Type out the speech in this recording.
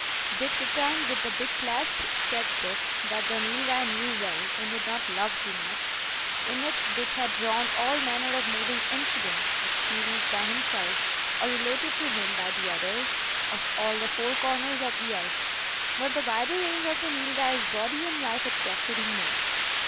Dick returned with the big clasped sketch book that the Nilghai knew well and did not love too much. In it Dick had drawn all manner of moving incidents, experienced by himself or related to him by the others, of all the four corners of the earth. But the wider range of the Nilghai's body and life attracted him most.